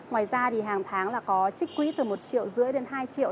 ngoài ra thì hàng tháng là có trích quỹ từ một triệu rưỡi đến hai triệu